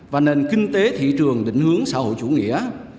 và nền kinh tế thị trường định hướng xã hội chủ nghĩa